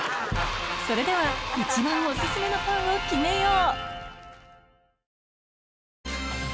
それでは一番オススメのパンを決めよう！